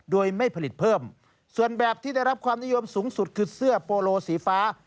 โดยไม่ผลิตเพิ่มส่วนแบบที่ได้รับความนิยมสูงสุดคือเสื้อโปโลสีฟ้า